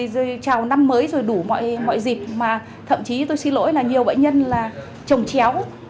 rồi chào năm mới rồi đủ mọi dịp mà thậm chí tôi xin lỗi là nhiều bệnh nhân là trồng chéo